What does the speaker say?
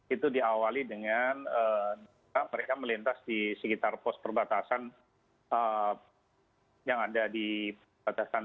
itu diawali dengan mereka melintas di sekitar pos perbatasan yang ada di perbatasan